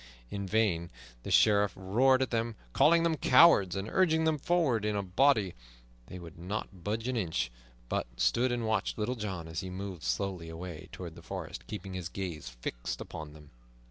In vain the Sheriff roared at them, calling them cowards, and urging them forward in a body; they would not budge an inch, but stood and watched Little John as he moved slowly away toward the forest, keeping his gaze fixed upon them.